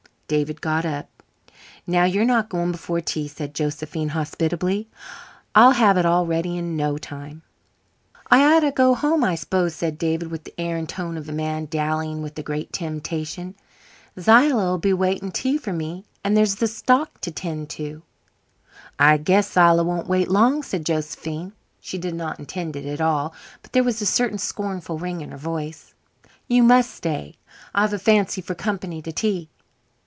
David got up. "Now, you're not going before tea?" said Josephine hospitably. "I'll have it all ready in no time." "I ought to go home, I s'pose," said David, with the air and tone of a man dallying with a great temptation. "Zillah'll be waiting tea for me; and there's the stock to tend to." "I guess Zillah won't wait long," said Josephine. She did not intend it at all, but there was a certain scornful ring in her voice. "You must stay. I've a fancy for company to tea."